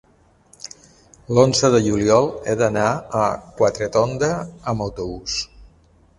L'onze de juliol he d'anar a Quatretonda amb autobús.